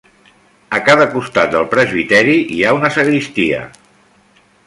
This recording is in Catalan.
A cada costat del presbiteri hi ha una sagristia.